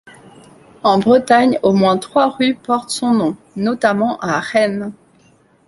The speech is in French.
En Bretagne, au moins trois rues portent son nom, notamment à Rennes.